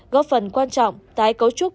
góp phần quan trọng tái cấu trúc